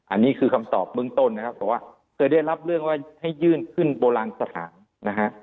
อันนี้คือคำตอบเบื้องต้นนะครับบอกว่าเคยได้รับเรื่องว่าให้ยื่นขึ้นโบราณสถานนะฮะ